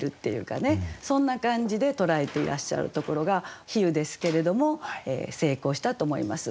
そんな感じで捉えていらっしゃるところが比喩ですけれども成功したと思います。